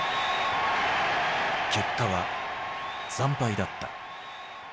結果は惨敗だった。